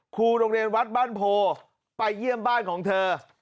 ครูโรงเรียนวัดบ้านโพไปเยี่ยมบ้านของเธอ